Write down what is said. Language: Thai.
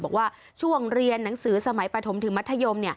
บอกว่าช่วงเรียนหนังสือสมัยปฐมถึงมัธยม